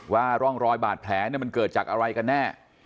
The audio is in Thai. ว่าร่องรอยบาดแผลมันเกิดจากอะไรกันแน่